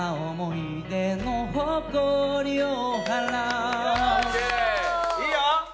いいよ！